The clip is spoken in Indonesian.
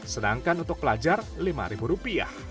sedangkan untuk pelajar rp lima